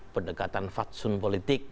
pendekatan faksun politik